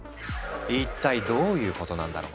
一体どういうことなんだろう？